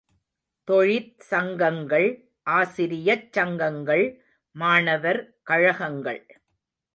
தொழிற் சங்கங்கள், ஆசிரியச் சங்கங்கள், மாணவர் கழகங்கள்.